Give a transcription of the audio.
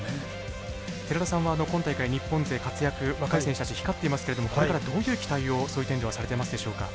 寺田さんは今大会日本勢活躍若い選手たち光っていますけれどもこれからどういう期待をそういう点ではされていますでしょうか？